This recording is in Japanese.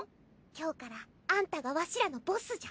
今日からアンタがわしらのボスじゃ。